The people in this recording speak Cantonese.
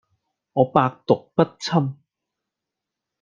我百毒不侵